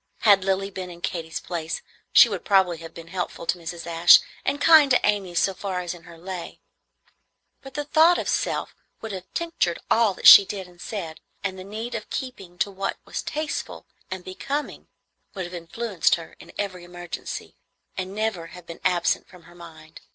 Had Lilly been in Katy's place, she would probably have been helpful to Mrs. Ashe and kind to Amy so far as in her lay; but the thought of self would have tinctured all that she did and said, and the need of keeping to what was tasteful and becoming would have influenced her in every emergency, and never have been absent from her mind.